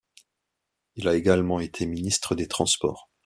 Il a également été ministre des Transports.